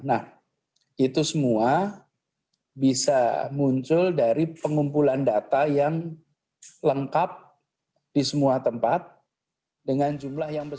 nah itu semua bisa muncul dari pengumpulan data yang lengkap di semua tempat dengan jumlah yang besar